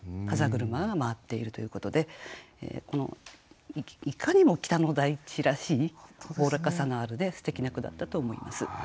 風車が回っているということでいかにも北の大地らしいおおらかさがあるすてきな句だったと思います。